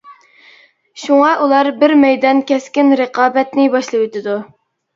شۇڭا ئۇلار بىر مەيدان كەسكىن رىقابەتنى باشلىۋېتىدۇ.